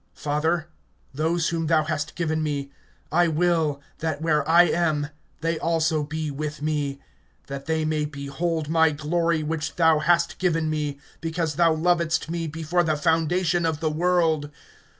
(24)Father, those whom thou hast given me, I will that where I am they also be with me; that they may behold my glory, which thou hast given me; because thou lovedst me before the foundation of the world.